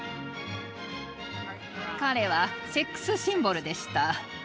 彼はセックスシンボルでした。